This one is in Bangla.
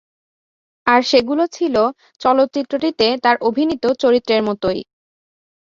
আর সেগুলো ছিলো চলচ্চিত্রটিতে তার অভিনীত চরিত্রের মতোই।